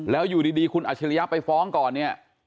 แล้วอยู่ดีคุณอัชริยะไปฟ้องก่อนเนี่ย